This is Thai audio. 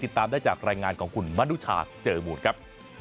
ติดตามได้จากรายงานของคุณมนุชาเจอมูลครับ